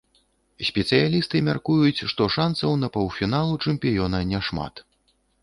Спецыялісты мяркуюць, што шанцаў на паўфінал у чэмпіёна не шмат.